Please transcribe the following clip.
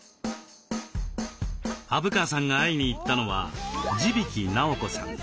虻川さんが会いに行ったのは地曳直子さん。